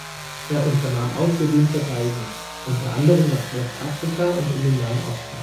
Er unternahm ausgedehnte Reisen, unter anderem nach Westafrika und in den Nahen Osten.